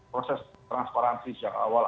proses transparansi sejak awal